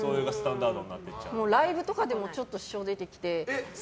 ライブとかでもちょっと支障出てきて。